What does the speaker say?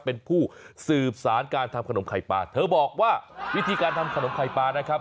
เป็นผู้สืบสารการทำขนมไข่ปลาเธอบอกว่าวิธีการทำขนมไข่ปลานะครับ